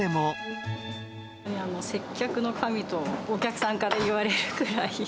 接客の神とお客さんから言われるぐらい。